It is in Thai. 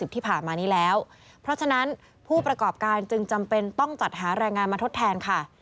ที่ผ่านมานี้แล้วเพราะฉะนั้นผู้ประกอบการจึงจำเป็นต้องจัดหาแรงงานมาทดแทนค่ะ